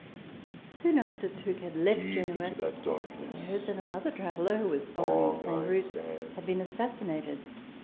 * Soon after Tooke had left Genoa he heard that another traveller, who was following the same route, had been assassinated.